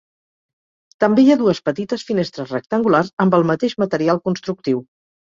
També hi ha dues petites finestres rectangulars, amb el mateix material constructiu.